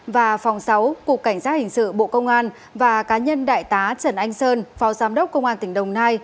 và phòng sáu cục cảnh sát hình sự bộ công an và cá nhân đại tá trần anh sơn phó giám đốc công an tỉnh đồng nai